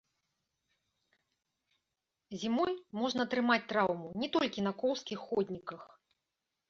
Зімой можна атрымаць траўму не толькі на коўзкіх ходніках.